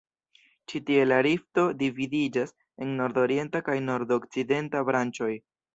Ĉi tie la rifto dividiĝas en nordorienta kaj nordokcidenta branĉoj.